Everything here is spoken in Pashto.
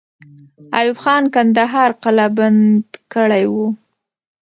ایوب خان کندهار قلابند کړی وو.